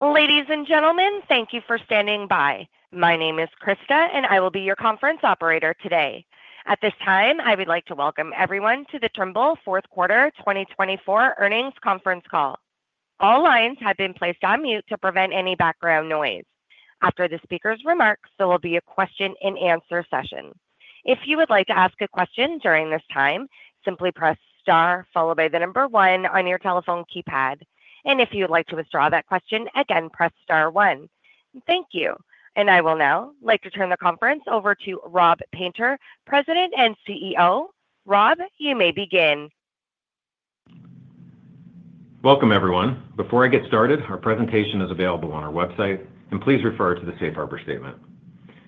Ladies and gentlemen, thank you for standing by. My name is Krista, and I will be your conference operator today. At this time, I would like to welcome everyone to the Trimble Fourth Quarter 2024 earnings conference call. All lines have been placed on mute to prevent any background noise. After the speaker's remarks, there will be a question-and-answer session. If you would like to ask a question during this time, simply press star followed by the number one on your telephone keypad. And if you would like to withdraw that question, again, press star one. Thank you. And I will now like to turn the conference over to Rob Painter, President and CEO. Rob, you may begin. Welcome, everyone. Before I get started, our presentation is available on our website, and please refer to the Safe Harbor Statement.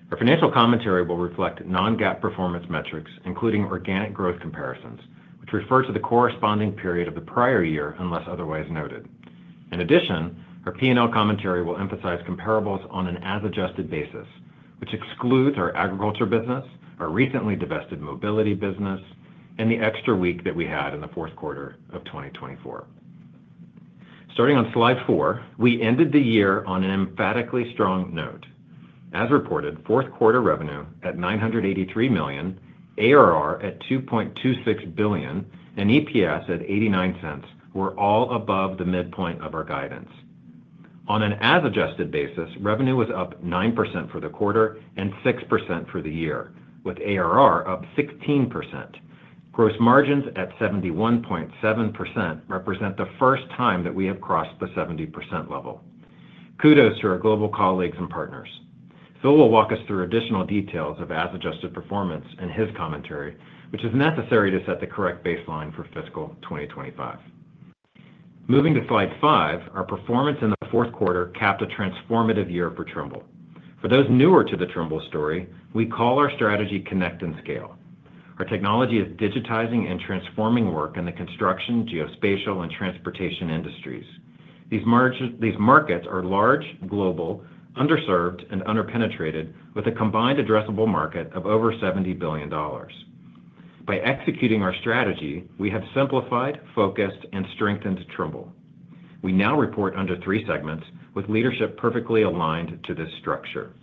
Our financial commentary will reflect Non-GAAP performance metrics, including organic growth comparisons, which refer to the corresponding period of the prior year unless otherwise noted. In addition, our P&L commentary will emphasize comparables on an as-adjusted basis, which excludes our agriculture business, our recently divested mobility business, and the extra week that we had in the fourth quarter of 2024. Starting on slide four, we ended the year on an emphatically strong note. As reported, fourth quarter revenue at $983 million, ARR at $2.26 billion, and EPS at $0.89 were all above the midpoint of our guidance. On an as-adjusted basis, revenue was up 9% for the quarter and 6% for the year, with ARR up 16%. Gross margins at 71.7% represent the first time that we have crossed the 70% level. Kudos to our global colleagues and partners. Phil will walk us through additional details of as-adjusted performance and his commentary, which is necessary to set the correct baseline for fiscal 2025. Moving to slide five, our performance in the fourth quarter capped a transformative year for Trimble. For those newer to the Trimble story, we call our strategy Connect and Scale. Our technology is digitizing and transforming work in the construction, geospatial, and transportation industries. These markets are large, global, underserved, and underpenetrated, with a combined addressable market of over $70 billion. By executing our strategy, we have simplified, focused, and strengthened Trimble. We now report under three segments, with leadership perfectly aligned to this structure.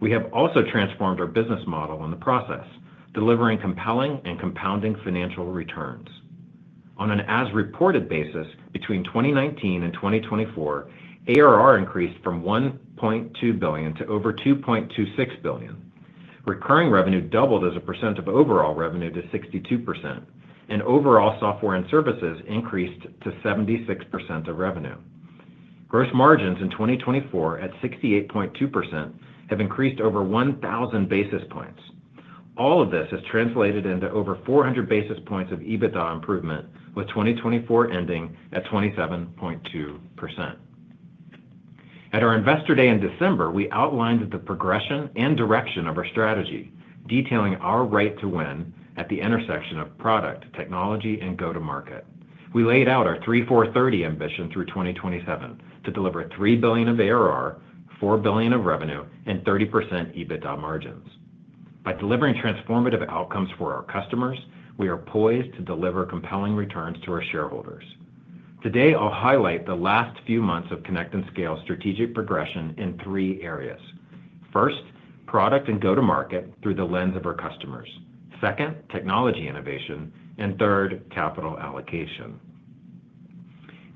We have also transformed our business model in the process, delivering compelling and compounding financial returns. On an as-reported basis, between 2019 and 2024, ARR increased from $1.2 billion to over $2.26 billion. Recurring revenue doubled as a percent of overall revenue to 62%, and overall software and services increased to 76% of revenue. Gross margins in 2024 at 68.2% have increased over 1,000 basis points. All of this has translated into over 400 basis points of EBITDA improvement, with 2024 ending at 27.2%. At our investor day in December, we outlined the progression and direction of our strategy, detailing our right to win at the intersection of product, technology, and go-to-market. We laid out our 3-4-30 ambition through 2027 to deliver $3 billion of ARR, $4 billion of revenue, and 30% EBITDA margins. By delivering transformative outcomes for our customers, we are poised to deliver compelling returns to our shareholders. Today, I'll highlight the last few months of Connect and Scale strategic progression in three areas: first, product and go-to-market through the lens of our customers; second, technology innovation; and third, capital allocation.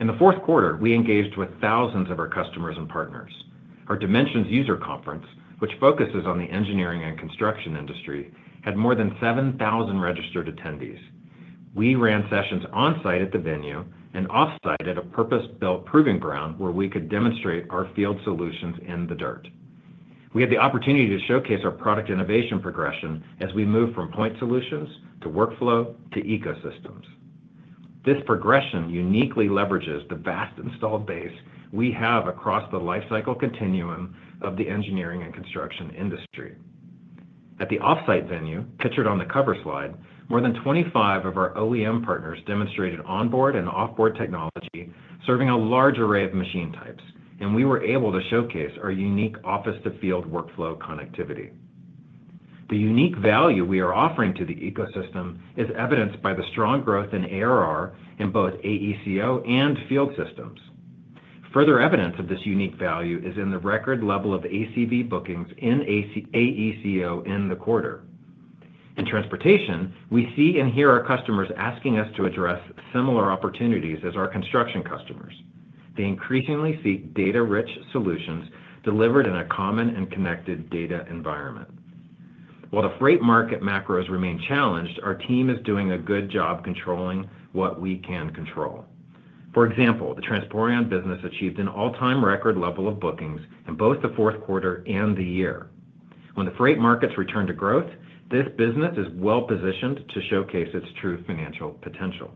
In the fourth quarter, we engaged with thousands of our customers and partners. Our Dimensions user conference, which focuses on the engineering and construction industry, had more than 7,000 registered attendees. We ran sessions onsite at the venue and offsite at a purpose-built proving ground where we could demonstrate our field solutions in the dirt. We had the opportunity to showcase our product innovation progression as we move from point solutions to workflow to ecosystems. This progression uniquely leverages the vast installed base we have across the lifecycle continuum of the engineering and construction industry. At the offsite venue, pictured on the cover slide, more than 25 of our OEM partners demonstrated onboard and offboard technology, serving a large array of machine types, and we were able to showcase our unique office-to-field workflow connectivity. The unique value we are offering to the ecosystem is evidenced by the strong growth in ARR in both AECO and Field Systems. Further evidence of this unique value is in the record level of ACV bookings in AECO in the quarter. In transportation, we see and hear our customers asking us to address similar opportunities as our construction customers. They increasingly seek data-rich solutions delivered in a common and connected data environment. While the freight market macros remain challenged, our team is doing a good job controlling what we can control. For example, the transport business achieved an all-time record level of bookings in both the fourth quarter and the year. When the freight markets return to growth, this business is well-positioned to showcase its true financial potential.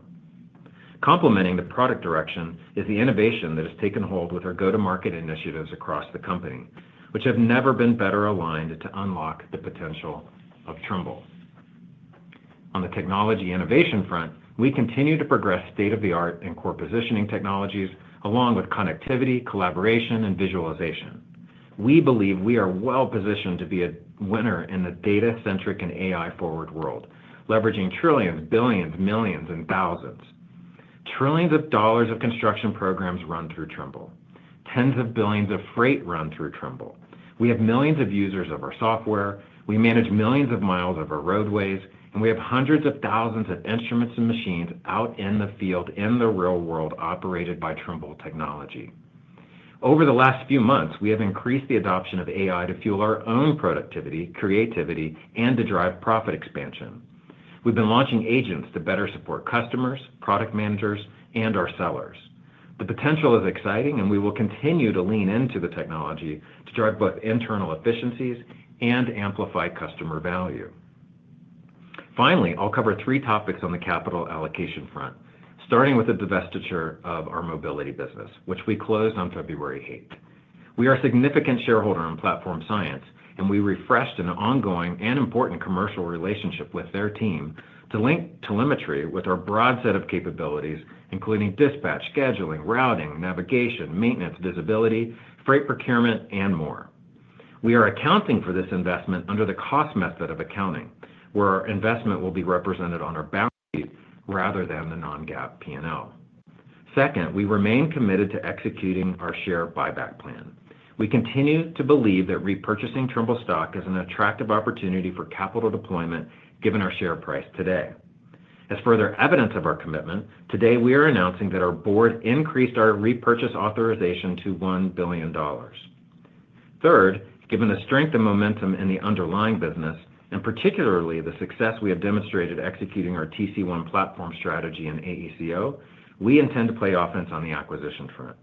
Complementing the product direction is the innovation that has taken hold with our go-to-market initiatives across the company, which have never been better aligned to unlock the potential of Trimble. On the technology innovation front, we continue to progress state-of-the-art and core positioning technologies along with connectivity, collaboration, and visualization. We believe we are well-positioned to be a winner in the data-centric and AI-forward world, leveraging trillions, billions, millions, and thousands. Trillions of dollars of construction programs run through Trimble. Tens of billions of freight run through Trimble. We have millions of users of our software. We manage millions of miles of our roadways, and we have hundreds of thousands of instruments and machines out in the field in the real world operated by Trimble technology. Over the last few months, we have increased the adoption of AI to fuel our own productivity, creativity, and to drive profit expansion. We've been launching agents to better support customers, product managers, and our sellers. The potential is exciting, and we will continue to lean into the technology to drive both internal efficiencies and amplify customer value. Finally, I'll cover three topics on the capital allocation front, starting with the divestiture of our mobility business, which we closed on February 8th. We are a significant shareholder in Platform Science, and we refreshed an ongoing and important commercial relationship with their team to link telemetry with our broad set of capabilities, including dispatch, scheduling, routing, navigation, maintenance, visibility, freight procurement, and more. We are accounting for this investment under the cost method of Accounting, where our investment will be represented on our balance sheet rather than the non-GAAP P&L. Second, we remain committed to executing our share buyback plan. We continue to believe that repurchasing Trimble stock is an attractive opportunity for capital deployment given our share price today. As further evidence of our commitment, today we are announcing that our board increased our repurchase authorization to $1 billion. Third, given the strength and momentum in the underlying business, and particularly the success we have demonstrated executing our TC1 platform strategy in AECO, we intend to play offense on the acquisition front.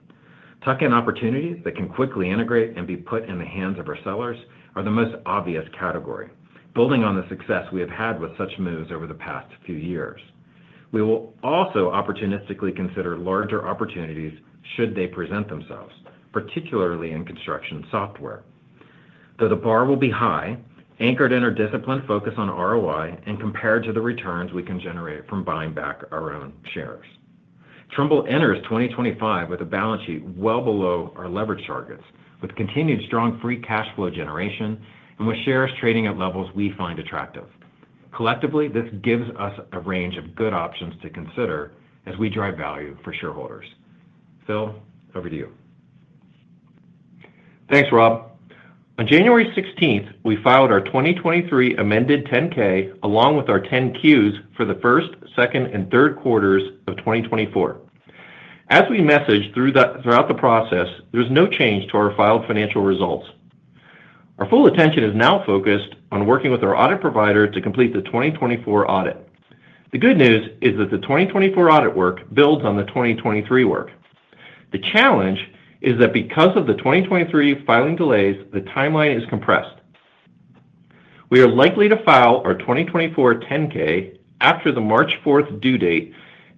Tuck-in opportunities that can quickly integrate and be put in the hands of our sellers are the most obvious category, building on the success we have had with such moves over the past few years. We will also opportunistically consider larger opportunities should they present themselves, particularly in construction software. Though the bar will be high, anchored in discipline, focus on ROI, and compare to the returns we can generate from buying back our own shares. Trimble enters 2025 with a balance sheet well below our leverage targets, with continued strong free cash flow generation, and with shares trading at levels we find attractive. Collectively, this gives us a range of good options to consider as we drive value for shareholders. Phil, over to you. Thanks, Rob. On January 16th, we filed our 2023 amended 10-K along with our 10-Qs for the first, second, and third quarters of 2024. As we messaged throughout the process, there's no change to our filed financial results. Our full attention is now focused on working with our audit provider to complete the 2024 audit. The good news is that the 2024 audit work builds on the 2023 work. The challenge is that because of the 2023 filing delays, the timeline is compressed. We are likely to file our 2024 10-K after the March 4th due date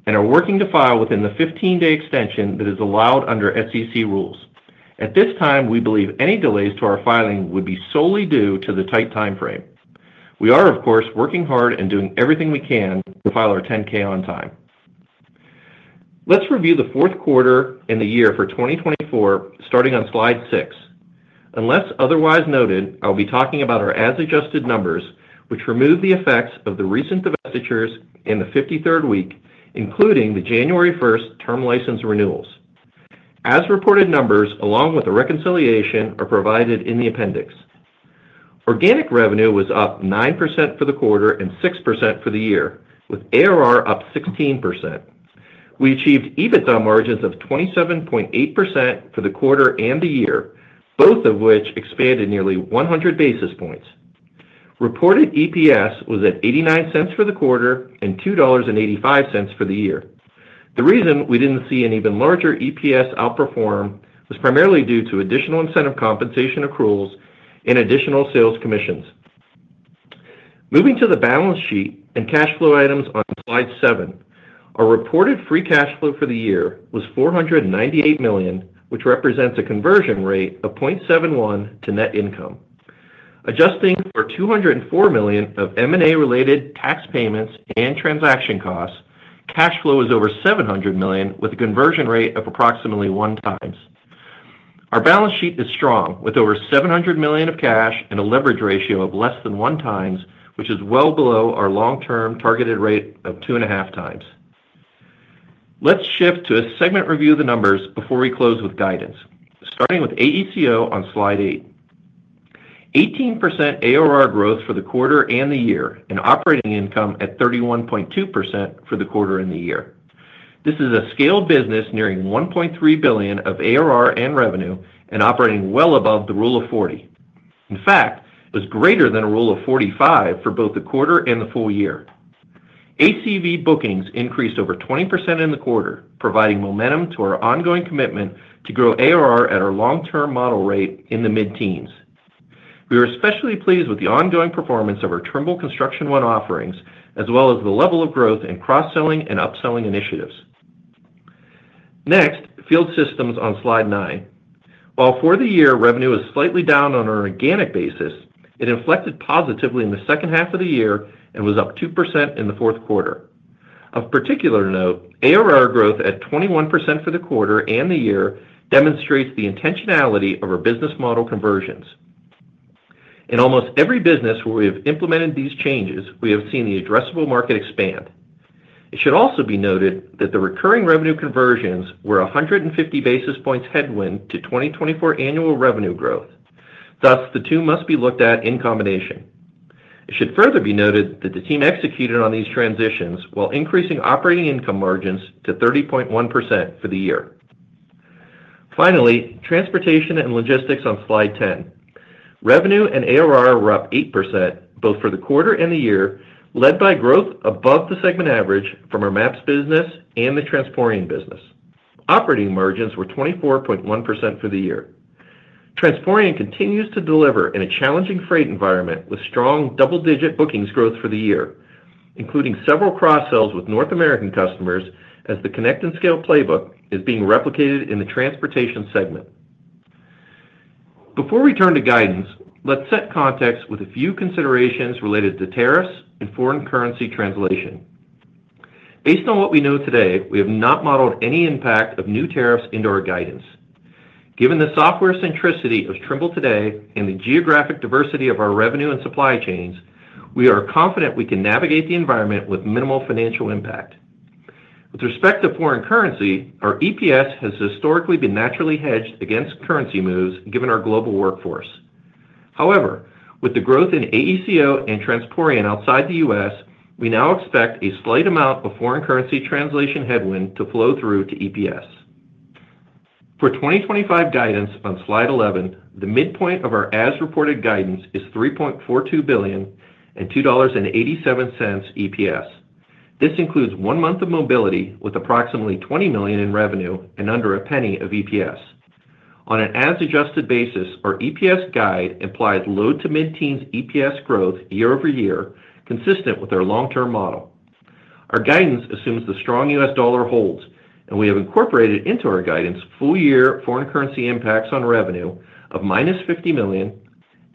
and are working to file within the 15-day extension that is allowed under SEC rules. At this time, we believe any delays to our filing would be solely due to the tight timeframe. We are, of course, working hard and doing everything we can to file our 10-K on time. Let's review the fourth quarter in the year for 2024, starting on slide six. Unless otherwise noted, I'll be talking about our as-adjusted numbers, which remove the effects of the recent divestitures in the 53rd week, including the January 1st term license renewals. As-reported numbers, along with the reconciliation, are provided in the appendix. Organic revenue was up 9% for the quarter and 6% for the year, with ARR up 16%. We achieved EBITDA margins of 27.8% for the quarter and the year, both of which expanded nearly 100 basis points. Reported EPS was at $0.89 for the quarter and $2.85 for the year. The reason we didn't see an even larger EPS outperform was primarily due to additional incentive compensation accruals and additional sales commissions. Moving to the balance sheet and cash flow items on slide seven, our reported free cash flow for the year was $498 million, which represents a conversion rate of 0.71 to net income. Adjusting for $204 million of M&A-related tax payments and transaction costs, cash flow is over $700 million, with a conversion rate of approximately one times. Our balance sheet is strong, with over $700 million of cash and a leverage ratio of less than one times, which is well below our long-term targeted rate of two and a half times. Let's shift to a segment review of the numbers before we close with guidance, starting with AECO on slide eight. 18% ARR growth for the quarter and the year and operating income at 31.2% for the quarter and the year. This is a scaled business nearing $1.3 billion of ARR and revenue and operating well above the rule of 40. In fact, it was greater than a rule of 45 for both the quarter and the full year. ACV bookings increased over 20% in the quarter, providing momentum to our ongoing commitment to grow ARR at our long-term model rate in the mid-teens. We are especially pleased with the ongoing performance of our Trimble Construction One offerings, as well as the level of growth in cross-selling and upselling initiatives. Next, Field Systems on slide nine. While for the year, revenue was slightly down on an organic basis, it inflected positively in the second half of the year and was up 2% in the fourth quarter. Of particular note, ARR growth at 21% for the quarter and the year demonstrates the intentionality of our business model conversions. In almost every business where we have implemented these changes, we have seen the addressable market expand. It should also be noted that the recurring revenue conversions were 150 basis points headwind to 2024 annual revenue growth. Thus, the two must be looked at in combination. It should further be noted that the team executed on these transitions while increasing operating income margins to 30.1% for the year. Finally, Transportation and Logistics on slide 10. Revenue and ARR were up 8% both for the quarter and the year, led by growth above the segment average from our maps business and the transport business. Operating margins were 24.1% for the year. Transport continues to deliver in a challenging freight environment with strong double-digit bookings growth for the year, including several cross-sells with North American customers as the Connect and Scale playbook is being replicated in the transportation segment. Before we turn to guidance, let's set context with a few considerations related to tariffs and foreign currency translation. Based on what we know today, we have not modeled any impact of new tariffs into our guidance. Given the software centricity of Trimble today and the geographic diversity of our revenue and supply chains, we are confident we can navigate the environment with minimal financial impact. With respect to foreign currency, our EPS has historically been naturally hedged against currency moves, given our global workforce. However, with the growth in AECO and transport outside the U.S., we now expect a slight amount of foreign currency translation headwind to flow through to EPS. For 2025 guidance on slide 11, the midpoint of our as-reported guidance is $3.42 billion and $2.87 EPS. This includes one month of mobility with approximately $20 million in revenue and under a penny of EPS. On an as-adjusted basis, our EPS guide implies low to mid-teens EPS growth year over year, consistent with our long-term model. Our guidance assumes the strong U.S. dollar holds, and we have incorporated into our guidance full-year foreign currency impacts on revenue of -$50 million,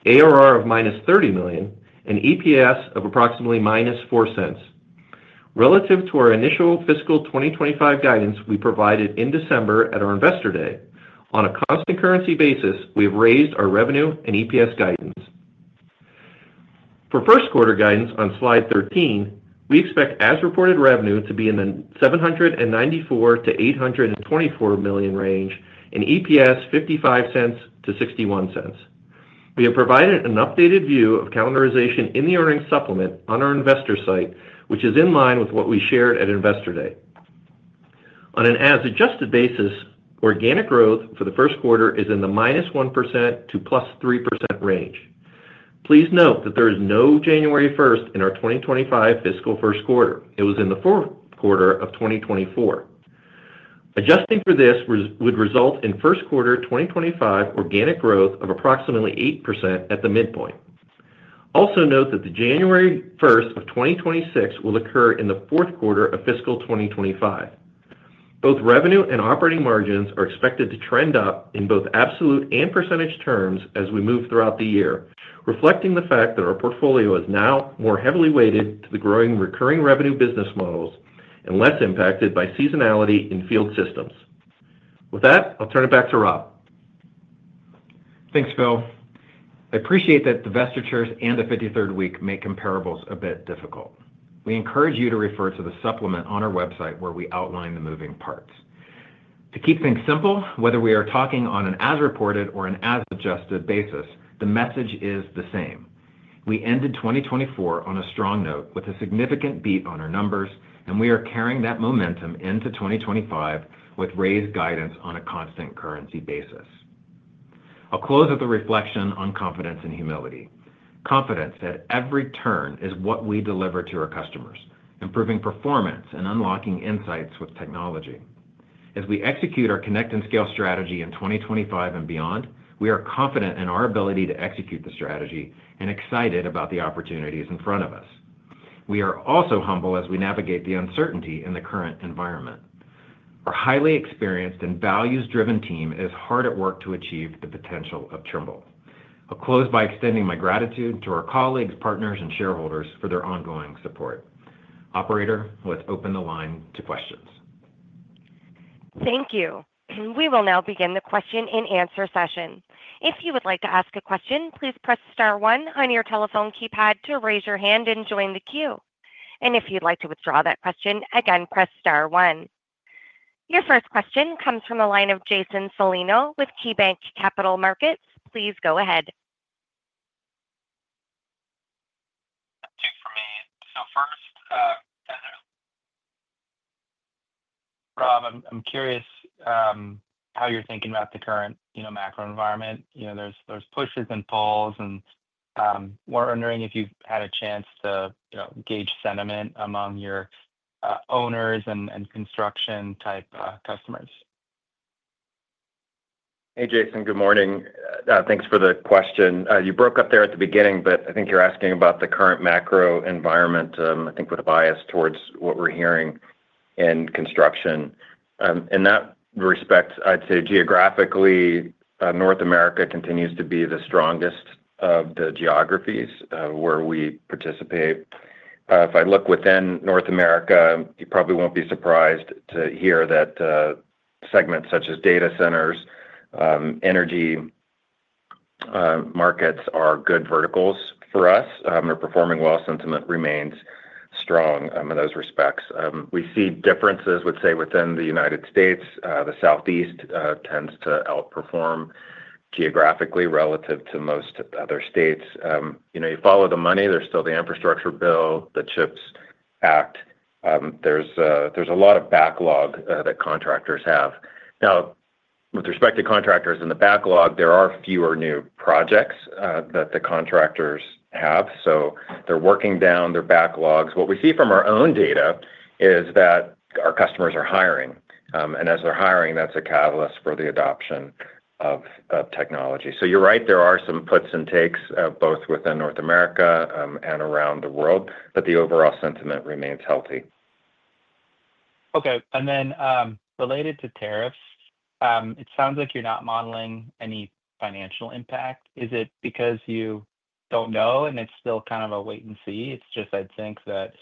ARR of -$30 million, and EPS of approximately -$0.04. Relative to our initial fiscal 2025 guidance we provided in December at our investor day, on a cost and currency basis, we have raised our revenue and EPS guidance. For first quarter guidance on slide 13, we expect as-reported revenue to be in the $794-$824 million range and EPS $0.55-$0.61. We have provided an updated view of calendarization in the earnings supplement on our investor site, which is in line with what we shared at investor day. On an as-adjusted basis, organic growth for the first quarter is in the -1% to +3% range. Please note that there is no January 1st in our 2025 fiscal first quarter. It was in the fourth quarter of 2024. Adjusting for this would result in first quarter 2025 organic growth of approximately 8% at the midpoint. Also note that the January 1st of 2026 will occur in the fourth quarter of fiscal 2025. Both revenue and operating margins are expected to trend up in both absolute and percentage terms as we move throughout the year, reflecting the fact that our portfolio is now more heavily weighted to the growing recurring revenue business models and less impacted by seasonality in Field Systems. With that, I'll turn it back to Rob. Thanks, Phil. I appreciate that the divestitures and the 53rd week make comparables a bit difficult. We encourage you to refer to the supplement on our website where we outline the moving parts. To keep things simple, whether we are talking on an as-reported or an as-adjusted basis, the message is the same. We ended 2024 on a strong note with a significant beat on our numbers, and we are carrying that momentum into 2025 with raised guidance on a constant currency basis. I'll close with a reflection on confidence and humility. Confidence that every turn is what we deliver to our customers, improving performance and unlocking insights with technology. As we execute our Connect and Scale strategy in 2025 and beyond, we are confident in our ability to execute the strategy and excited about the opportunities in front of us. We are also humble as we navigate the uncertainty in the current environment. Our highly experienced and values-driven team is hard at work to achieve the potential of Trimble. I'll close by extending my gratitude to our colleagues, partners, and shareholders for their ongoing support. Operator, let's open the line to questions. Thank you. We will now begin the question and answer session. If you would like to ask a question, please press star one on your telephone keypad to raise your hand and join the queue. And if you'd like to withdraw that question, again, press star one. Your first question comes from the line of Jason Celino with KeyBanc Capital Markets. Please go ahead. Two for me. So first, Rob, I'm curious how you're thinking about the current macro environment. There's pushes and pulls, and we're wondering if you've had a chance to gauge sentiment among your owners and construction-type customers. Hey, Jason, good morning. Thanks for the question. You broke up there at the beginning, but I think you're asking about the current macro environment, I think with a bias towards what we're hearing in construction. In that respect, I'd say geographically, North America continues to be the strongest of the geographies where we participate. If I look within North America, you probably won't be surprised to hear that segments such as data centers, energy markets are good verticals for us. They're performing well. Sentiment remains strong in those respects. We see differences, I would say, within the United States. The Southeast tends to outperform geographically relative to most other states. You follow the money. There's still the infrastructure bill, the CHIPS Act. There's a lot of backlog that contractors have. Now, with respect to contractors and the backlog, there are fewer new projects that the contractors have. So they're working down their backlogs. What we see from our own data is that our customers are hiring. And as they're hiring, that's a catalyst for the adoption of technology. So you're right, there are some puts and takes both within North America and around the world, but the overall sentiment remains healthy. Okay. And then related to tariffs, it sounds like you're not modeling any financial impact. Is it because you don't know, and it's still kind of a wait and see? It's just, I'd think that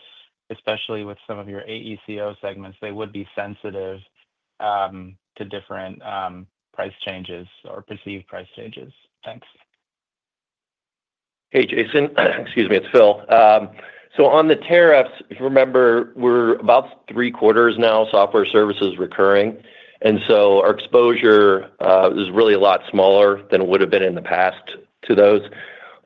especially with some of your AECO segments, they would be sensitive to different price changes or perceived price changes. Thanks. Hey, Jason. Excuse me, it's Phil. So on the tariffs, if you remember, we're about three quarters now, software services recurring. And so our exposure is really a lot smaller than it would have been in the past to those.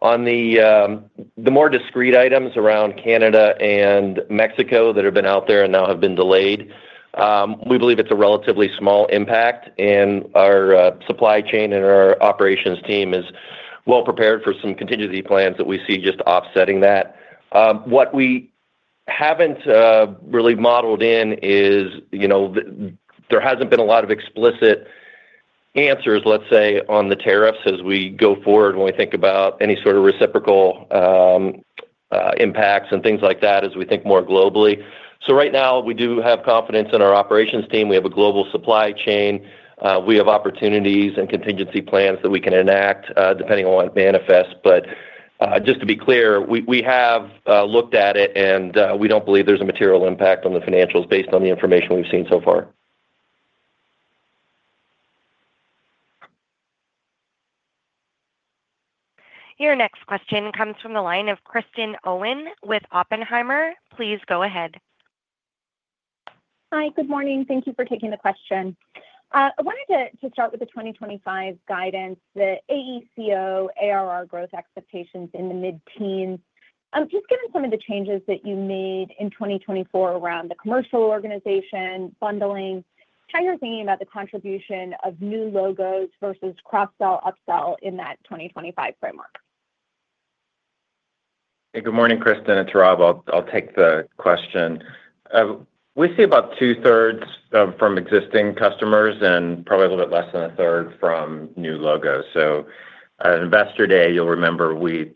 On the more discrete items around Canada and Mexico that have been out there and now have been delayed, we believe it's a relatively small impact. And our supply chain and our operations team is well prepared for some contingency plans that we see just offsetting that. What we haven't really modeled in is there hasn't been a lot of explicit answers, let's say, on the tariffs as we go forward when we think about any sort of reciprocal impacts and things like that as we think more globally. So right now, we do have confidence in our operations team. We have a global supply chain. We have opportunities and contingency plans that we can enact depending on what manifests. But just to be clear, we have looked at it, and we don't believe there's a material impact on the financials based on the information we've seen so far. Your next question comes from the line of Kristen Owen with Oppenheimer. Please go ahead. Hi, good morning. Thank you for taking the question. I wanted to start with the 2025 guidance, the AECO ARR growth expectations in the mid-teens. Just given some of the changes that you made in 2024 around the commercial organization, bundling, how you're thinking about the contribution of new logos versus cross-sell, upsell in that 2025 framework. Hey, good morning, Kristen. It's Rob. I'll take the question. We see about two-thirds from existing customers and probably a little bit less than a third from new logos, so at investor day, you'll remember we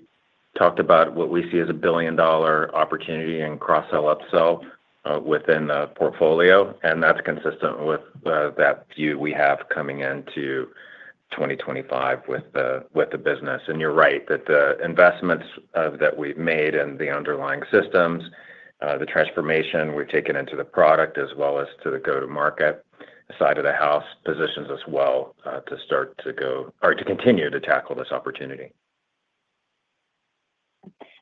talked about what we see as a billion-dollar opportunity in cross-sell, upsell within the portfolio, and that's consistent with that view we have coming into 2025 with the business, and you're right that the investments that we've made and the underlying systems, the transformation we've taken into the product as well as to the go-to-market side of the house positions us well to start to go or to continue to tackle this opportunity.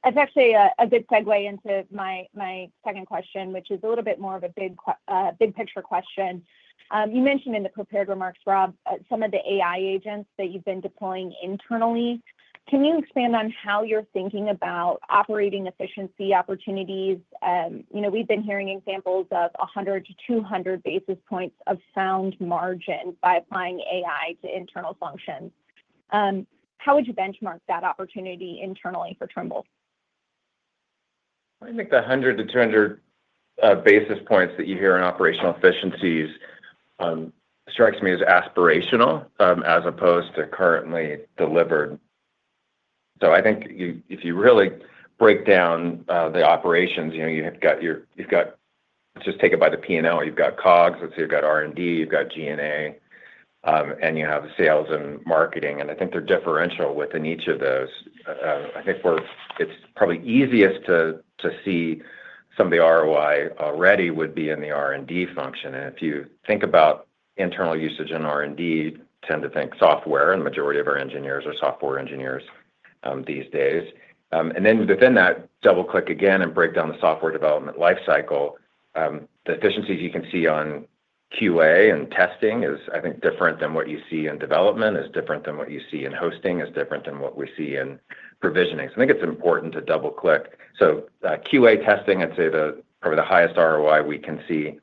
That's actually a good segue into my second question, which is a little bit more of a big picture question. You mentioned in the prepared remarks, Rob, some of the AI agents that you've been deploying internally. Can you expand on how you're thinking about operating efficiency opportunities? We've been hearing examples of 100-200 basis points of gross margin by applying AI to internal functions. How would you benchmark that opportunity internally for Trimble? I think the 100-200 basis points that you hear in operational efficiencies strikes me as aspirational as opposed to currently delivered. So I think if you really break down the operations, you've got just take it by the P&L. You've got COGS. Let's say you've got R&D. You've got G&A, and you have sales and marketing. And I think they're differential within each of those. I think it's probably easiest to see some of the ROI already would be in the R&D function. And if you think about internal usage and R&D, tend to think software, and the majority of our engineers are software engineers these days. And then within that, double-click again and break down the software development lifecycle. The efficiencies you can see on QA and testing is, I think, different than what you see in development, is different than what you see in hosting, is different than what we see in provisioning. So I think it's important to double-click. So QA testing, I'd say probably the highest ROI we can see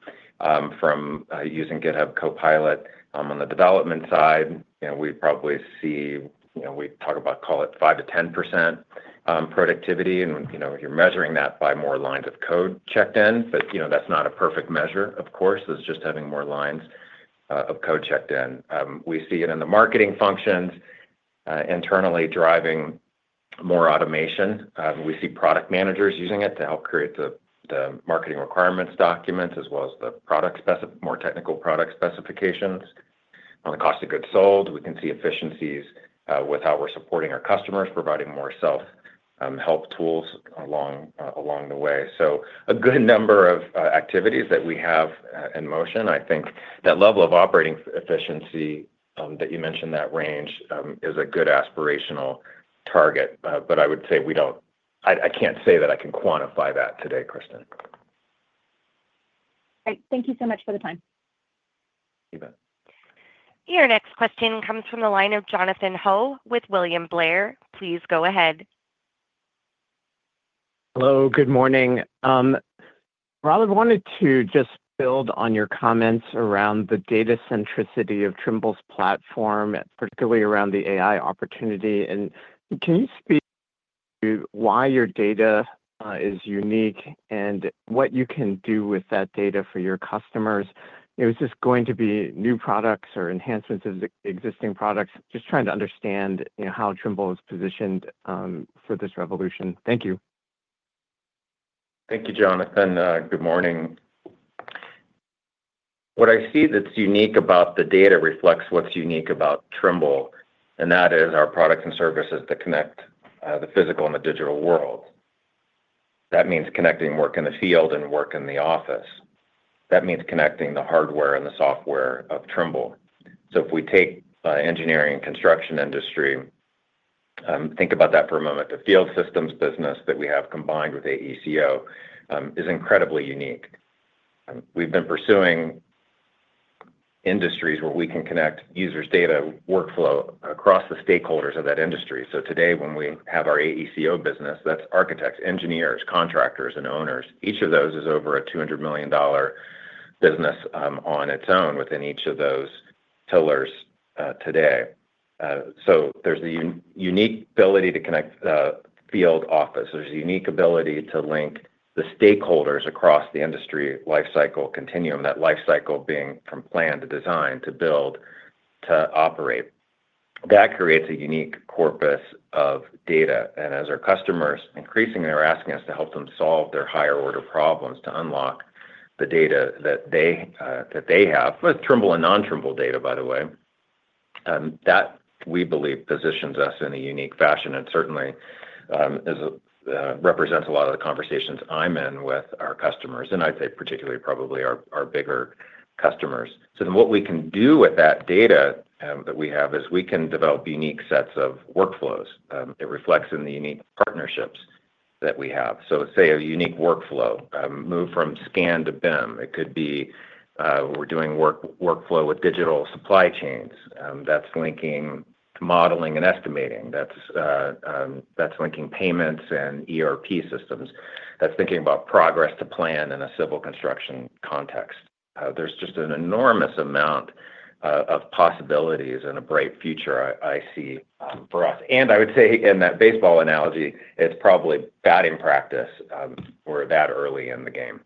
from using GitHub Copilot on the development side. We probably see, we talk about, call it 5%-10% productivity. And you're measuring that by more lines of code checked in. But that's not a perfect measure, of course. It's just having more lines of code checked in. We see it in the marketing functions internally driving more automation. We see product managers using it to help create the marketing requirements documents as well as the more technical product specifications. On the cost of goods sold, we can see efficiencies with how we're supporting our customers, providing more self-help tools along the way. So a good number of activities that we have in motion. I think that level of operating efficiency that you mentioned, that range, is a good aspirational target. But I would say we don't-I can't say that I can quantify that today, Kristen. Great. Thank you so much for the time. You bet. Your next question comes from the line of Jonathan Ho with William Blair. Please go ahead. Hello. Good morning. Rob, I wanted to just build on your comments around the data centricity of Trimble's platform, particularly around the AI opportunity, and can you speak to why your data is unique and what you can do with that data for your customers? Is this going to be new products or enhancements of existing products? Just trying to understand how Trimble is positioned for this revolution. Thank you. Thank you, Jonathan. Good morning. What I see that's unique about the data reflects what's unique about Trimble, and that is our products and services that connect the physical and the digital world. That means connecting work in the field and work in the office. That means connecting the hardware and the software of Trimble, so if we take engineering and construction industry, think about that for a moment. The Field Systems business that we have combined with AECO is incredibly unique. We've been pursuing industries where we can connect users' data workflow across the stakeholders of that industry, so today, when we have our AECO business, that's architects, engineers, contractors, and owners. Each of those is over a $200 million business on its own within each of those pillars today, so there's the unique ability to connect the field office. There's a unique ability to link the stakeholders across the industry lifecycle continuum, that lifecycle being from plan to design to build to operate. That creates a unique corpus of data. And as our customers increasingly are asking us to help them solve their higher-order problems to unlock the data that they have, with Trimble and non-Trimble data, by the way, that we believe positions us in a unique fashion and certainly represents a lot of the conversations I'm in with our customers, and I'd say particularly probably our bigger customers. So then what we can do with that data that we have is we can develop unique sets of workflows. It reflects in the unique partnerships that we have. So say a unique workflow moved from scan to BIM. It could be we're doing workflow with digital supply chains. That's linking modeling and estimating. That's linking payments and ERP systems. That's thinking about progress to plan in a civil construction context. There's just an enormous amount of possibilities and a bright future I see for us, and I would say in that baseball analogy, it's probably batting practice or that early in the game.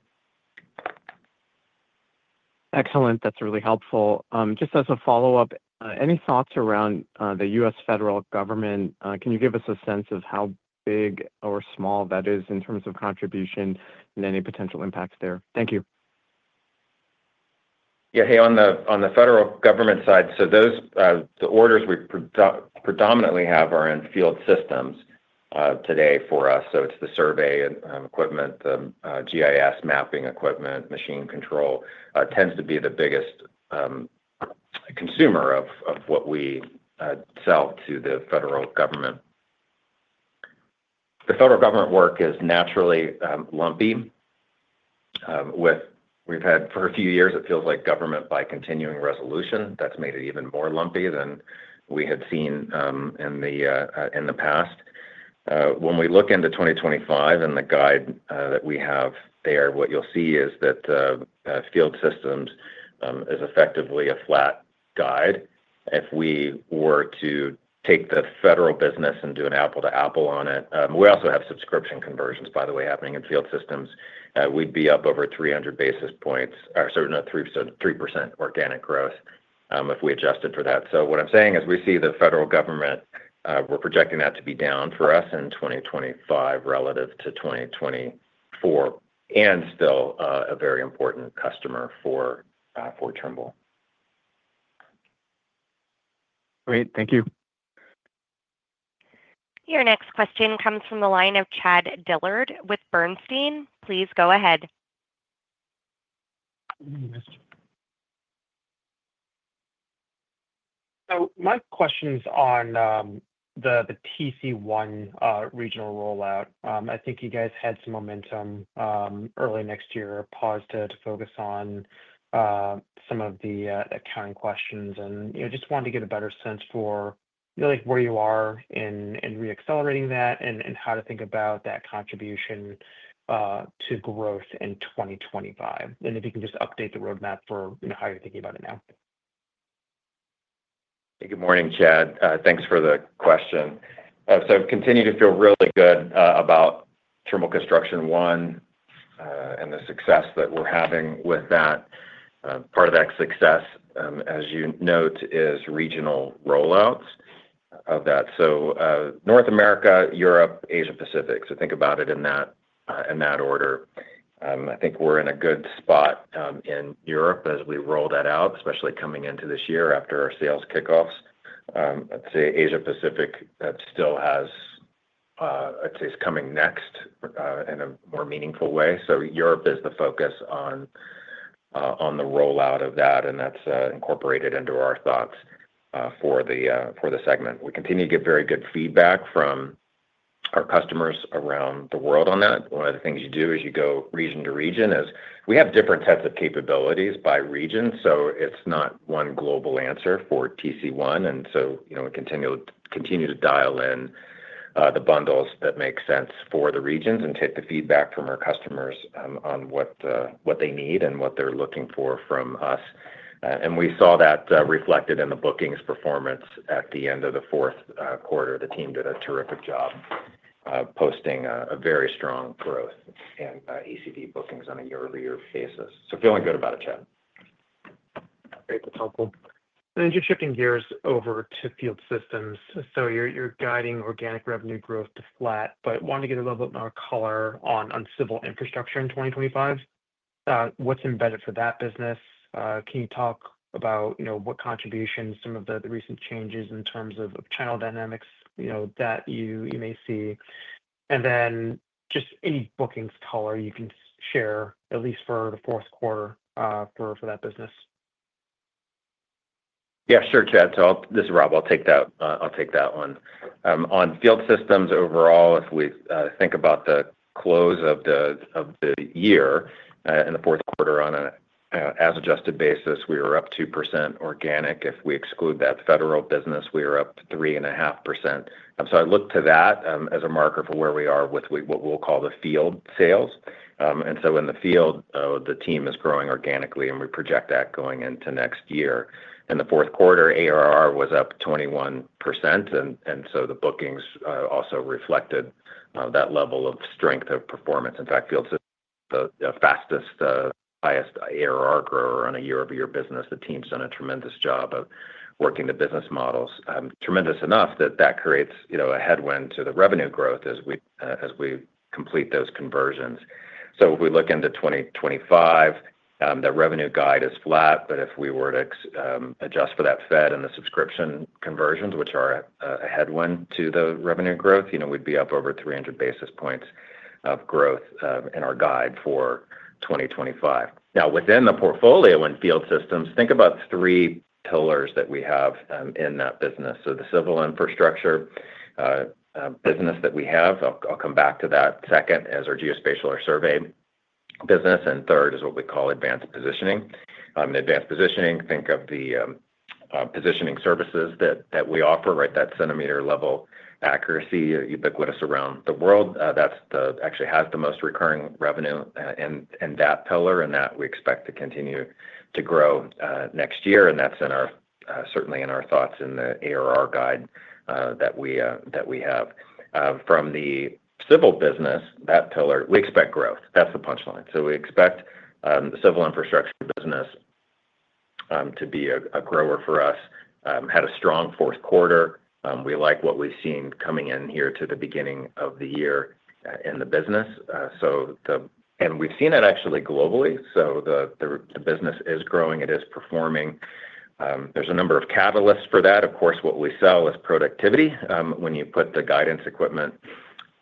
Excellent. That's really helpful. Just as a follow-up, any thoughts around the U.S. federal government? Can you give us a sense of how big or small that is in terms of contribution and any potential impacts there? Thank you. Yeah. Hey, on the federal government side, so the orders we predominantly have are in Field Systems today for us. So it's the survey equipment, the GIS mapping equipment, machine control tends to be the biggest consumer of what we sell to the federal government. The federal government work is naturally lumpy. We've had for a few years, it feels like government by continuing resolution. That's made it even more lumpy than we had seen in the past. When we look into 2025 and the guide that we have there, what you'll see is that Field Systems is effectively a flat guide. If we were to take the federal business and do an apples-to-apples on it, we also have subscription conversions, by the way, happening in Field Systems. We'd be up over 300 basis points or 3% organic growth if we adjusted for that. So what I'm saying is we see the federal government, we're projecting that to be down for us in 2025 relative to 2024 and still a very important customer for Trimble. Great. Thank you. Your next question comes from the line of Chad Dillard with Bernstein. Please go ahead. So my question's on the TC1 regional rollout. I think you guys had some momentum early next year, paused to focus on some of the accounting questions. And just wanted to get a better sense for where you are in re-accelerating that and how to think about that contribution to growth in 2025. And if you can just update the roadmap for how you're thinking about it now. Hey, good morning, Chad. Thanks for the question. So continue to feel really good about Trimble Construction One and the success that we're having with that. Part of that success, as you note, is regional rollouts of that. So North America, Europe, Asia-Pacific. So think about it in that order. I think we're in a good spot in Europe as we roll that out, especially coming into this year after our sales kickoffs. I'd say Asia-Pacific still has, I'd say, is coming next in a more meaningful way. So Europe is the focus on the rollout of that. And that's incorporated into our thoughts for the segment. We continue to get very good feedback from our customers around the world on that. One of the things you do as you go region to region is we have different types of capabilities by region. So it's not one global answer for TC1. And so we continue to dial in the bundles that make sense for the regions and take the feedback from our customers on what they need and what they're looking for from us. And we saw that reflected in the bookings performance at the end of the fourth quarter. The team did a terrific job posting a very strong growth in AECO bookings on a year-over-year basis. So feeling good about it, Chad. Great. That's helpful. And then just shifting gears over to Field Systems. So you're guiding organic revenue growth to flat, but wanted to get a little bit more color on civil infrastructure in 2025. What's embedded for that business? Can you talk about what contributions, some of the recent changes in terms of channel dynamics that you may see? And then just any bookings color you can share, at least for the fourth quarter for that business? Yeah, sure, Chad. So this is Rob. I'll take that one. On Field Systems overall, if we think about the close of the year in the fourth quarter on an as-adjusted basis, we were up 2% organic. If we exclude that federal business, we were up 3.5%. So I looked to that as a marker for where we are with what we'll call the field sales. And so in the field, the team is growing organically, and we project that going into next year. In the fourth quarter, ARR was up 21%. And so the bookings also reflected that level of strength of performance. In fact, Field Systems are the fastest, highest ARR grower on a year-over-year business. The team's done a tremendous job of working the business models, tremendous enough that that creates a headwind to the revenue growth as we complete those conversions. So if we look into 2025, the revenue guide is flat. But if we were to adjust for that Fed and the subscription conversions, which are a headwind to the revenue growth, we'd be up over 300 basis points of growth in our guide for 2025. Now, within the portfolio and Field Systems, think about three pillars that we have in that business. So the civil infrastructure business that we have, I'll come back to that second as our geospatial or survey business. And third is what we call advanced positioning. In advanced positioning, think of the positioning services that we offer, right? That centimeter-level accuracy, ubiquitous around the world. That actually has the most recurring revenue in that pillar, and that we expect to continue to grow next year. And that's certainly in our thoughts in the ARR guide that we have. From the civil business, that pillar, we expect growth. That's the punchline. So we expect the civil infrastructure business to be a grower for us. Had a strong fourth quarter. We like what we've seen coming in here to the beginning of the year in the business. And we've seen it actually globally. So the business is growing. It is performing. There's a number of catalysts for that. Of course, what we sell is productivity. When you put the guidance equipment,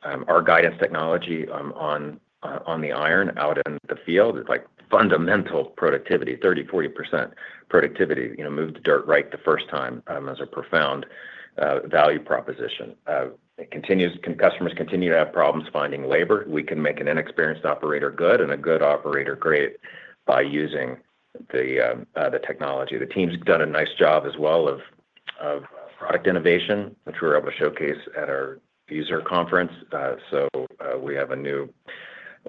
our guidance technology on the iron out in the field, it's like fundamental productivity, 30%-40% productivity, move the dirt right the first time as a profound value proposition. Can customers continue to have problems finding labor? We can make an inexperienced operator good and a good operator great by using the technology. The team's done a nice job as well of product innovation, which we were able to showcase at our user conference. So we have a new,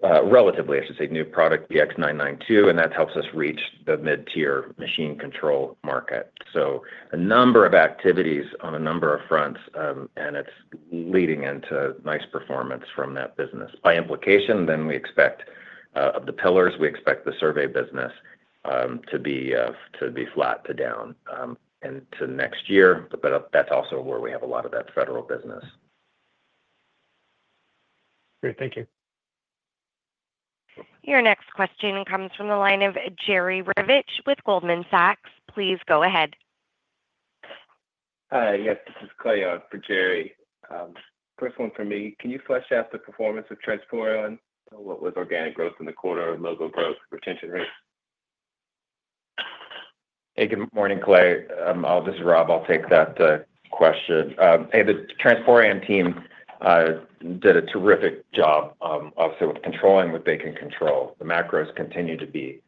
relatively, I should say, new product, BX992, and that helps us reach the mid-tier machine control market. So a number of activities on a number of fronts, and it's leading into nice performance from that business. By implication, then we expect of the pillars, we expect the survey business to be flat to down into next year. But that's also where we have a lot of that federal business. Great. Thank you. Your next question comes from the line of Jerry Revich with Goldman Sachs. Please go ahead. Hi. Yes, this is Clay for Jerry. First one for me. Can you flesh out the performance of Transporean? What was organic growth in the quarter and local growth retention rate? Hey, good morning, Clay. This is Rob. I'll take that question. Hey, the Transporean team did a terrific job, obviously, with controlling what they can control. The macros continue to be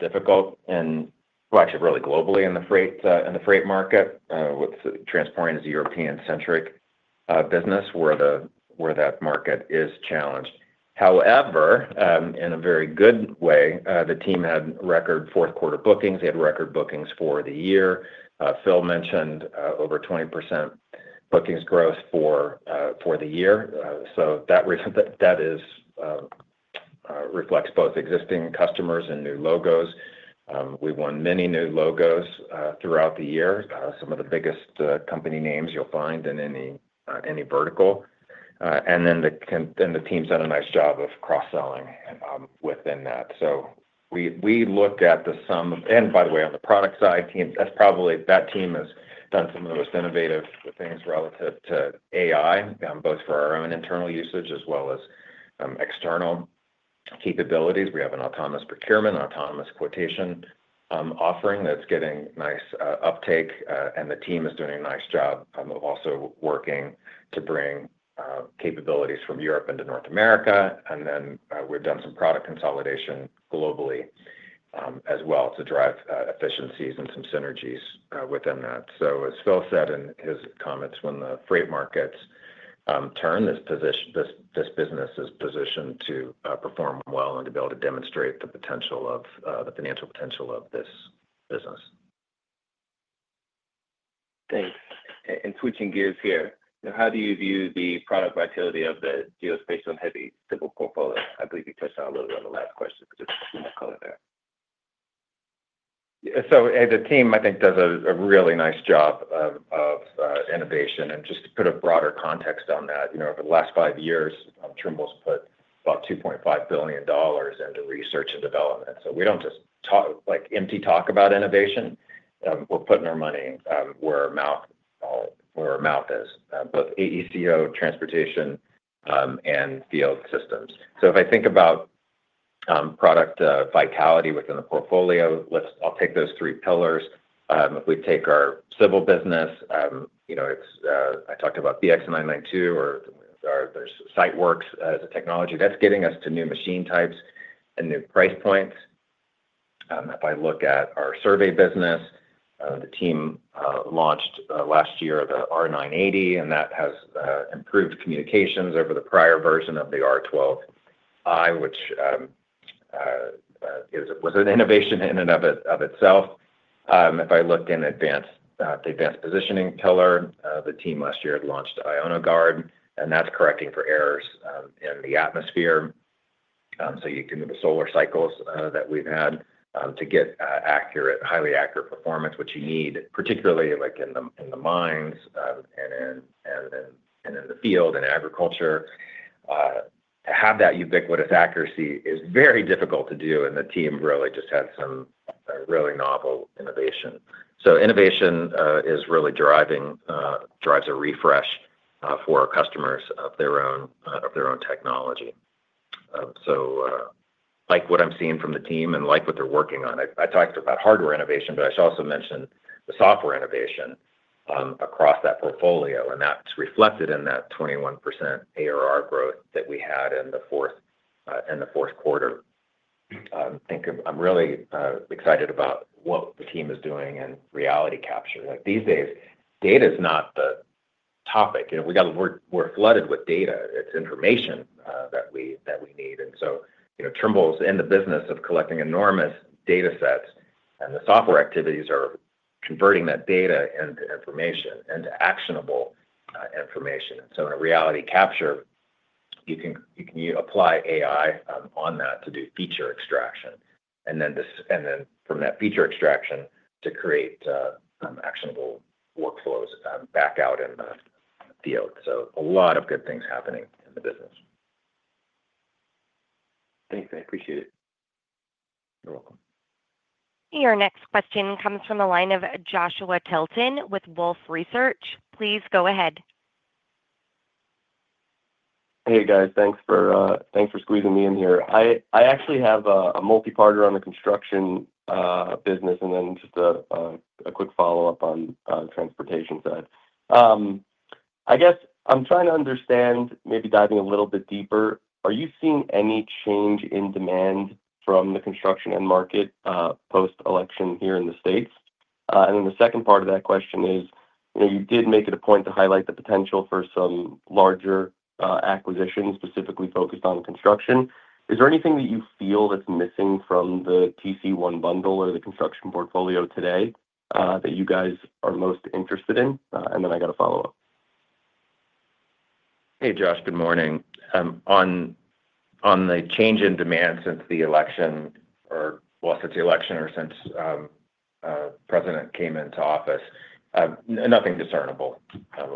difficult, and well, actually, really globally in the freight market, with Transporean as a European-centric business where that market is challenged. However, in a very good way, the team had record fourth-quarter bookings. They had record bookings for the year. Phil mentioned over 20% bookings growth for the year. So that reflects both existing customers and new logos. We won many new logos throughout the year, some of the biggest company names you'll find in any vertical. And then the team's done a nice job of cross-selling within that. So we look at the sum of, and by the way, on the product side, that team has done some of the most innovative things relative to AI, both for our own internal usage as well as external capabilities. We have an autonomous procurement, autonomous quotation offering that's getting nice uptake. And the team is doing a nice job of also working to bring capabilities from Europe into North America. And then we've done some product consolidation globally as well to drive efficiencies and some synergies within that. So as Phil said in his comments, when the freight markets turn, this business is positioned to perform well and to be able to demonstrate the potential of the financial potential of this business. Thanks. And switching gears here, how do you view the product vitality of the geospatial and heavy civil portfolio? I believe you touched on a little bit on the last question, but just a few more color there. So the team, I think, does a really nice job of innovation. And just to put a broader context on that, over the last five years, Trimble's put about $2.5 billion into research and development. So we don't just talk like empty talk about innovation. We're putting our money where our mouth is, both AECO, transportation, and Field Systems. So if I think about product vitality within the portfolio, I'll take those three pillars. If we take our civil business, I talked about BX992, or there's Siteworks as a technology. That's getting us to new machine types and new price points. If I look at our survey business, the team launched last year the R980, and that has improved communications over the prior version of the R12i, which was an innovation in and of itself. If I look in the advanced positioning pillar, the team last year had launched IonoGuard, and that's correcting for errors in the atmosphere. So you can do the solar cycles that we've had to get highly accurate performance, which you need, particularly in the mines and in the field and agriculture. To have that ubiquitous accuracy is very difficult to do, and the team really just had some really novel innovation. So innovation is really driving a refresh for our customers of their own technology. So like what I'm seeing from the team and like what they're working on, I talked about hardware innovation, but I should also mention the software innovation across that portfolio. And that's reflected in that 21% ARR growth that we had in the fourth quarter. I think I'm really excited about what the team is doing in reality capture. These days, data is not the topic. We're flooded with data. It's information that we need, and so Trimble's in the business of collecting enormous data sets, and the software activities are converting that data into information, into actionable information and so in reality capture, you can apply AI on that to do feature extraction and then from that feature extraction to create actionable workflows back out in the field, so a lot of good things happening in the business. Thanks. I appreciate it. You're welcome. Your next question comes from the line of Joshua Tilton with Wolfe Research. Please go ahead. Hey, guys. Thanks for squeezing me in here. I actually have a multi-part question on the construction business, and then just a quick follow-up on the transportation side. I guess I'm trying to understand, maybe diving a little bit deeper. Are you seeing any change in demand from the construction end market post-election here in the States? And then the second part of that question is, you did make it a point to highlight the potential for some larger acquisitions specifically focused on construction. Is there anything that you feel that's missing from the TC1 bundle or the construction portfolio today that you guys are most interested in? And then I got a follow-up. Hey, Josh. Good morning. On the change in demand since the election, or well, since the election, or since the president came into office, nothing discernible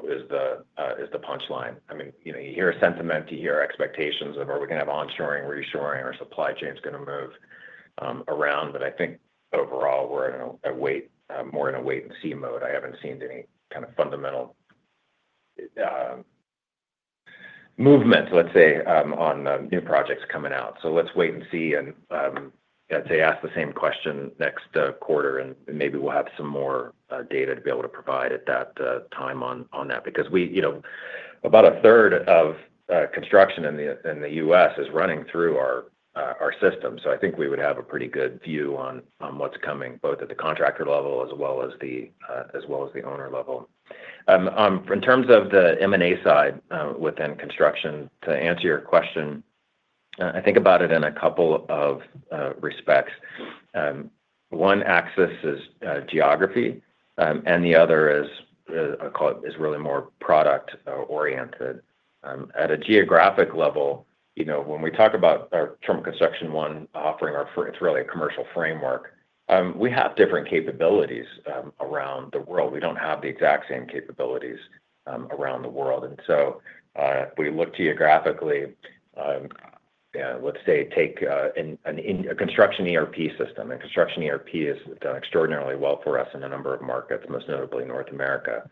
is the punchline. I mean, you hear a sentiment, you hear expectations of, "Are we going to have onshoring, reshoring, or supply chain is going to move around?", but I think overall, we're more in a wait-and-see mode. I haven't seen any kind of fundamental movement, let's say, on new projects coming out. So let's wait and see, and I'd say ask the same question next quarter, and maybe we'll have some more data to be able to provide at that time on that. Because about a third of construction in the U.S. is running through our system. So I think we would have a pretty good view on what's coming, both at the contractor level as well as the owner level. In terms of the M&A side within construction, to answer your question, I think about it in a couple of respects. One axis is geography, and the other is, I'll call it, is really more product-oriented. At a geographic level, when we talk about our Trimble Construction One offering, it's really a commercial framework. We have different capabilities around the world. We don't have the exact same capabilities around the world. And so if we look geographically, let's say take a construction ERP system. And construction ERP has done extraordinarily well for us in a number of markets, most notably North America.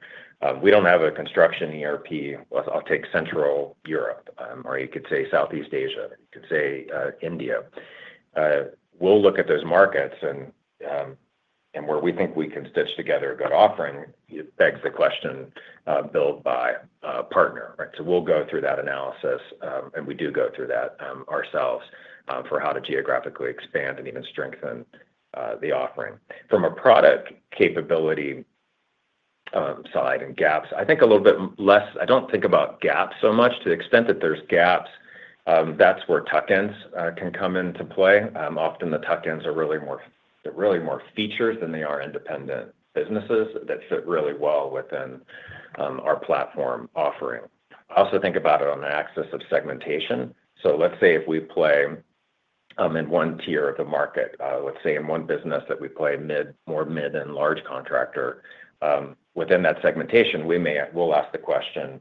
We don't have a construction ERP, I'll take Central Europe, or you could say Southeast Asia, you could say India. We'll look at those markets, and where we think we can stitch together a good offering, it begs the question, "build or buy," right? So we'll go through that analysis, and we do go through that ourselves for how to geographically expand and even strengthen the offering. From a product capability side and gaps, I think a little bit less. I don't think about gaps so much. To the extent that there's gaps, that's where tuck-ins can come into play. Often, the tuck-ins are really more features than they are independent businesses that fit really well within our platform offering. I also think about it on the axis of segmentation. So let's say if we play in one tier of the market, let's say in one business that we play more mid and large contractor, within that segmentation, we'll ask the question,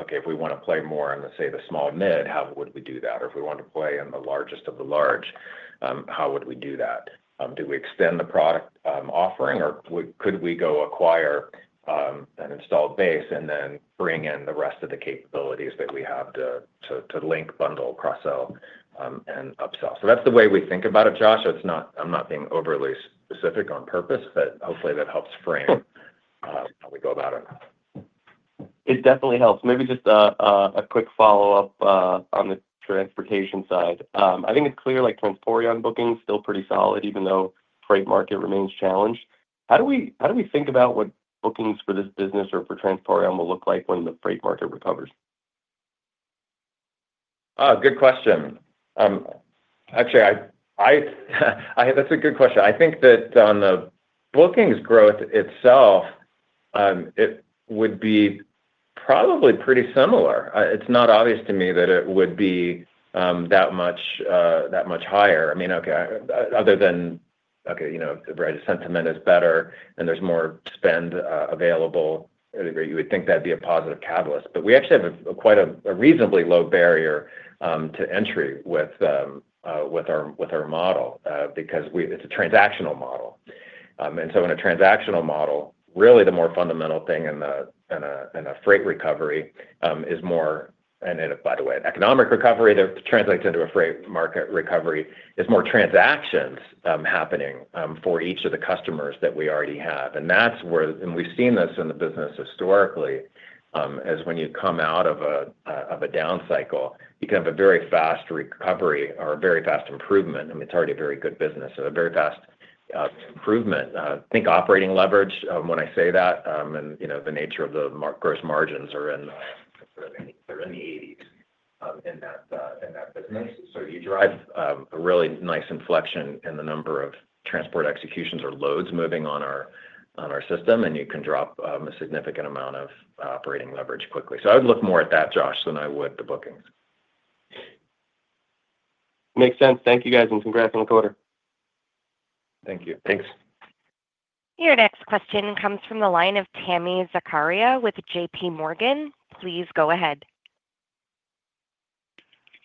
"Okay, if we want to play more in, say, the small mid, how would we do that? Or if we want to play in the largest of the large, how would we do that? Do we extend the product offering, or could we go acquire an installed base and then bring in the rest of the capabilities that we have to link, bundle, cross-sell, and upsell?" So that's the way we think about it, Josh. I'm not being overly specific on purpose, but hopefully that helps frame how we go about it. It definitely helps. Maybe just a quick follow-up on the transportation side. I think it's clear Transporean booking is still pretty solid, even though freight market remains challenged. How do we think about what bookings for this business or for Transporean will look like when the freight market recovers? Oh, good question. Actually, that's a good question. I think that on the bookings growth itself, it would be probably pretty similar. It's not obvious to me that it would be that much higher. I mean, okay, other than, okay, the sentiment is better and there's more spend available, you would think that'd be a positive catalyst. But we actually have quite a reasonably low barrier to entry with our model because it's a transactional model. And so in a transactional model, really the more fundamental thing in a freight recovery is more, and by the way, an economic recovery that translates into a freight market recovery, is more transactions happening for each of the customers that we already have. And we've seen this in the business historically as when you come out of a down cycle, you can have a very fast recovery or a very fast improvement. I mean, it's already a very good business, a very fast improvement. Think operating leverage when I say that, and the nature of the gross margins are in the 80s in that business. So you drive a really nice inflection in the number of transport executions or loads moving on our system, and you can drop a significant amount of operating leverage quickly. So I would look more at that, Josh, than I would the bookings. Makes sense. Thank you, guys, and congrats on the quarter. Thank you. Thanks. Your next question comes from the line of Tami Zakaria with J.P. Morgan. Please go ahead.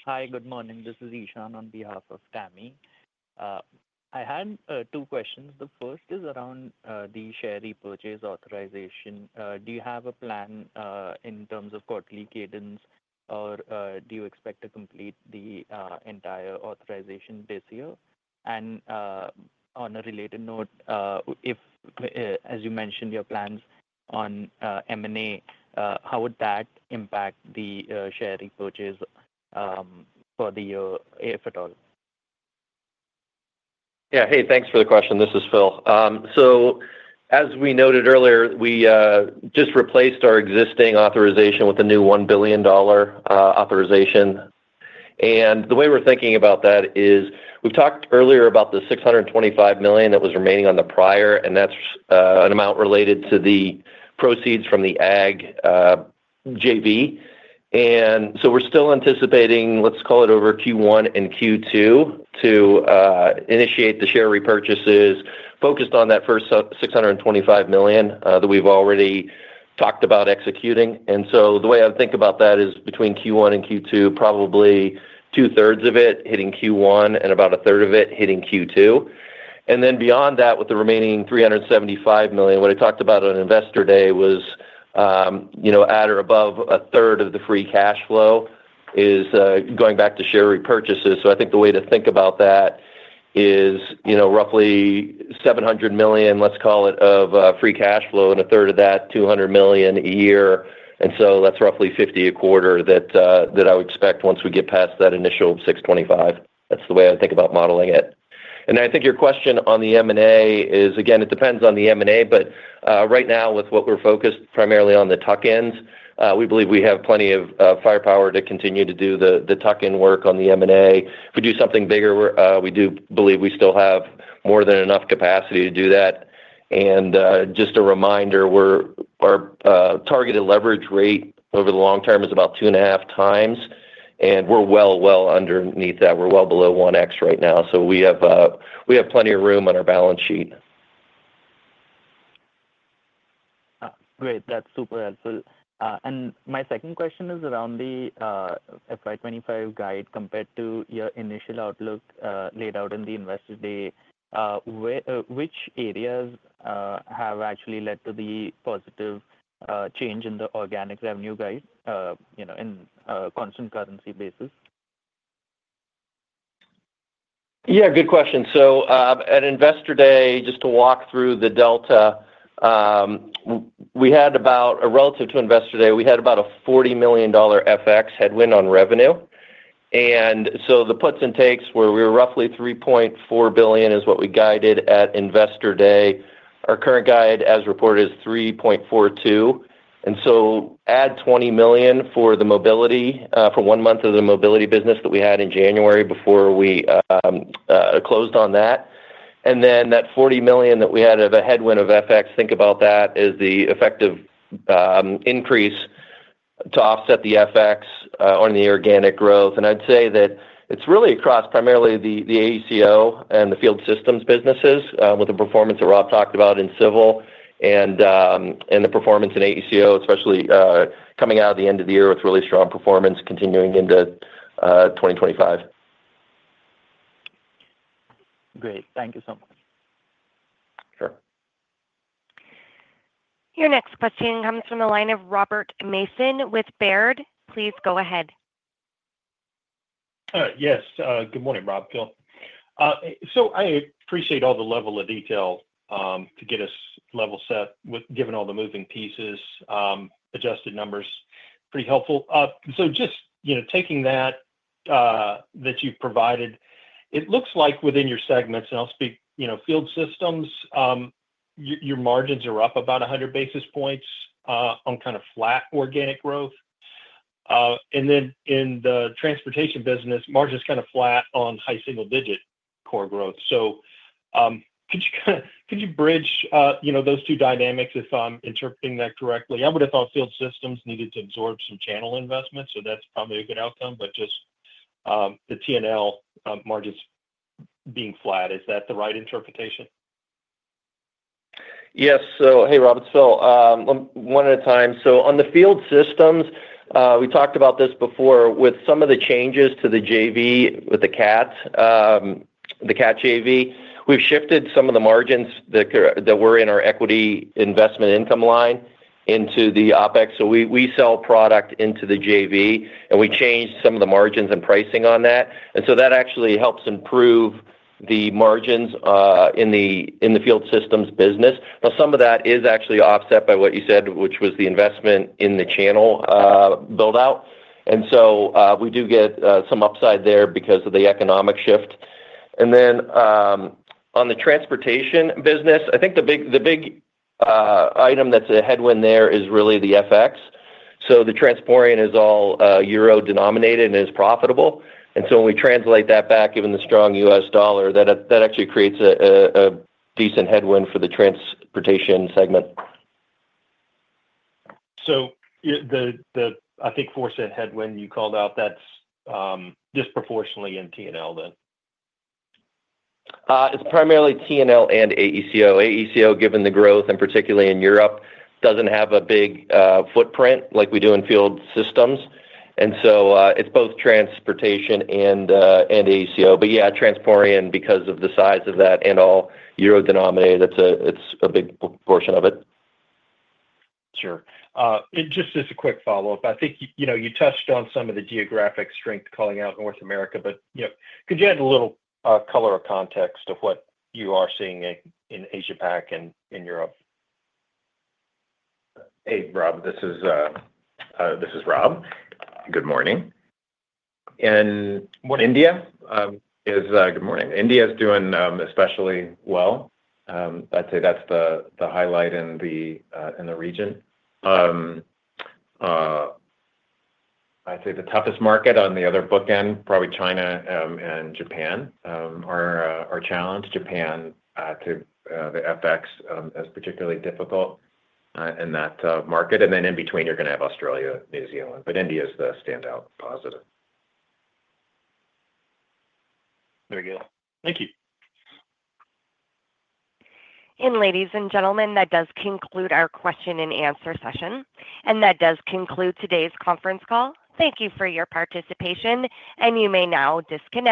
Hi, good morning. This is Ishaan on behalf of Tami. I had two questions. The first is around the share repurchase authorization. Do you have a plan in terms of quarterly cadence, or do you expect to complete the entire authorization this year? And on a related note, as you mentioned your plans on M&A, how would that impact the share repurchase for the year, if at all? Yeah. Hey, thanks for the question. This is Phil. So as we noted earlier, we just replaced our existing authorization with a new $1 billion authorization. And the way we're thinking about that is we've talked earlier about the $625 million that was remaining on the prior, and that's an amount related to the proceeds from the Ag JV. And so we're still anticipating, let's call it over Q1 and Q2, to initiate the share repurchases focused on that first $625 million that we've already talked about executing. And so the way I think about that is between Q1 and Q2, probably two-thirds of it hitting Q1 and about a third of it hitting Q2. And then beyond that, with the remaining $375 million, what I talked about on investor day was at or above a third of the free cash flow is going back to share repurchases. So I think the way to think about that is roughly $700 million, let's call it, of free cash flow, and a third of that, $200 million a year. And so that's roughly $50 million a quarter that I would expect once we get past that initial $625 million. That's the way I think about modeling it. And I think your question on the M&A is, again, it depends on the M&A, but right now, with what we're focused primarily on the tuck-in, we believe we have plenty of firepower to continue to do the tuck-in work on the M&A. If we do something bigger, we do believe we still have more than enough capacity to do that. And just a reminder, our targeted leverage rate over the long term is about two and a half times, and we're well, well underneath that. We're well below 1x right now. So we have plenty of room on our balance sheet. Great. That's super helpful. And my second question is around the FY25 guide compared to your initial outlook laid out in the investor day. Which areas have actually led to the positive change in the organic revenue guide on a constant currency basis? Yeah, good question. So at investor day, just to walk through the delta, we had about a relative to investor day, we had about a $40 million FX headwind on revenue. And so the puts and takes were we were roughly $3.4 billion is what we guided at investor day. Our current guide, as reported, is $3.42 billion. And so add $20 million for the mobility for one month of the mobility business that we had in January before we closed on that. And then that $40 million that we had of a headwind of FX, think about that as the effective increase to offset the FX on the organic growth. I'd say that it's really across primarily the AECO and the Field Systems businesses with the performance that Rob talked about in civil and the performance in AECO, especially coming out of the end of the year with really strong performance continuing into 2025. Great. Thank you so much. Sure. Your next question comes from the line of Robert Mason with Baird. Please go ahead. Yes. Good morning, Rob, Phil. So I appreciate all the level of detail to get us level set with given all the moving pieces, adjusted numbers. Pretty helpful. So just taking that you've provided, it looks like within your segments, and I'll speak Field Systems, your margins are up about 100 basis points on kind of flat organic growth. And then in the transportation business, margin's kind of flat on high single-digit core growth. So could you bridge those two dynamics if I'm interpreting that correctly? I would have thought Field Systems needed to absorb some channel investment, so that's probably a good outcome, but just the T&L margins being flat. Is that the right interpretation? Yes. So hey, Rob, it's Phil. One at a time. So on the Field Systems, we talked about this before with some of the changes to the JV with the CAT, the CAT JV. We've shifted some of the margins that were in our equity investment income line into the OPEX. So we sell product into the JV, and we changed some of the margins and pricing on that. And so that actually helps improve the margins in the Field Systems business. Now, some of that is actually offset by what you said, which was the investment in the channel buildout. And so we do get some upside there because of the economic shift. And then on the transportation business, I think the big item that's a headwind there is really the FX. So the Transporean is all euro denominated and is profitable. And so when we translate that back, given the strong U.S. dollar, that actually creates a decent headwind for the transportation segment. So the, I think, foremost headwind you called out, that's disproportionately in T&L then? It's primarily T&L and AECO. AECO, given the growth, and particularly in Europe, doesn't have a big footprint like we do in Field Systems, and so it's both transportation and AECO, but yeah, Transporean, because of the size of that and all euro-denominated, it's a big portion of it. Sure. Just as a quick follow-up, I think you touched on some of the geographic strength calling out North America, but could you add a little color or context of what you are seeing in Asia-Pac and in Europe? Hey, Rob. This is Rob. Good morning, and in India it's good morning. India is doing especially well. I'd say that's the highlight in the region. I'd say the toughest market on the other bookend, probably China and Japan, are challenged. Japan, the FX, is particularly difficult in that market, and then in between, you're going to have Australia and New Zealand, but India is the standout positive. Very good. Thank you. And ladies and gentlemen, that does conclude our question and answer session. And that does conclude today's conference call. Thank you for your participation, and you may now disconnect.